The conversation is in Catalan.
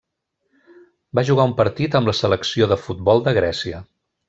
Va jugar un partit amb la selecció de futbol de Grècia.